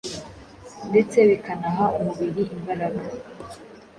ndetse bikanaha umubiri imbaraga